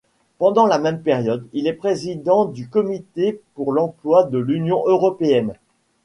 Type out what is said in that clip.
Pendant la même période, il est président du comité pour l'emploi de l'Union européenne.